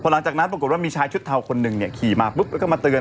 หลังจากนั้นปรากฏว่ามีชายชุดเทาคนหนึ่งเนี่ยขี่มาปุ๊บแล้วก็มาเตือน